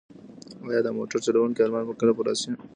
ایا د موټر چلونکي ارمان به کله پوره شي؟